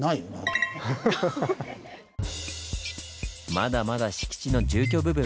まだまだ敷地の住居部分。